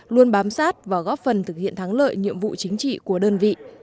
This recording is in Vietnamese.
luôn bám sát và góp phần thực hiện thắng lợi nhiệm vụ chính trị của đơn vị